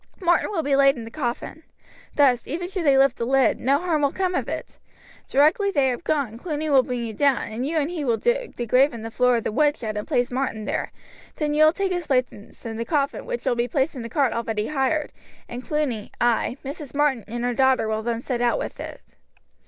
Martin will be laid in the coffin. Thus, even should they lift the lid, no harm will come of it. Directly they have gone, Cluny will bring you down, and you and he dig the grave in the floor of the woodshed and place Martin there, then you will take his place in the coffin, which will be placed in a cart already hired, and Cluny, I, Mrs. Martin, and her daughter will then set out with it."